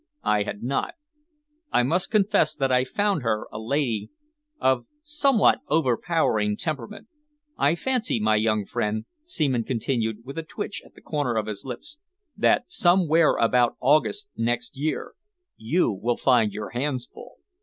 "I had not. I must confess that I found her a lady of somewhat overpowering temperament. I fancy, my young friend," Seaman continued, with a twitch at the corner of his lips, "that somewhere about August next year you will find your hands full."